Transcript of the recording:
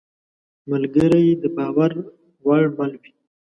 ملګری د باور وړ مل وي.